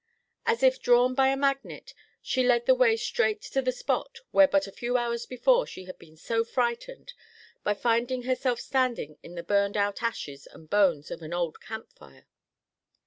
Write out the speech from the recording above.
As if drawn by a magnet, she led the way straight to the spot where but a few hours before she had been so frightened by finding herself standing in the burned out ashes and bones of an old camp fire.